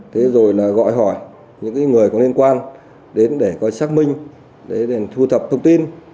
thế rồi là gọi hỏi những người có liên quan đến để coi xác minh để thu thập thông tin